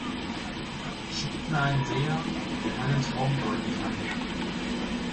Schickt mir einen Seher, der meinen Traum deuten kann!